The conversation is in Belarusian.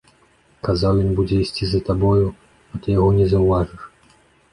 Казаў, ён будзе ісці за табою, і ты яго не заўважыш.